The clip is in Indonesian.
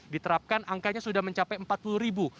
diterapkan angkanya sudah mencapai empat puluh ribu